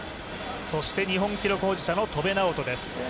そして日本記録保持者の戸邉直人です。